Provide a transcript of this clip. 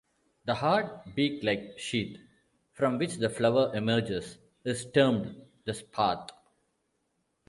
The hard, beak-like sheath from which the flower emerges is termed the "spathe".